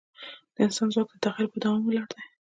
د انسان ځواک د تخیل په دوام ولاړ دی.